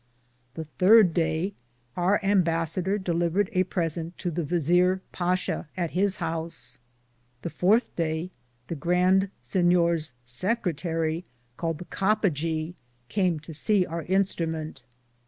The thirde Day, our imbassader Delivered a presente to the Vizeare Basha at his house. The 4 day the Grande Sinyores secritarie, caled the Cappagaw,^ came to se our instrament.